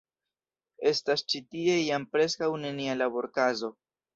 Estas ĉi tie jam preskaŭ nenia labor-okazo.